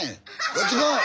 こっち来い！